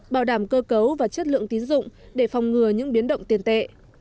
bảo đảm cơ cấu và chất lượng tín dụng để phòng ngừa những biến động tiền tệ